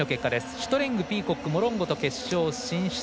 シュトレング、ピーコックモロンゴと決勝進出。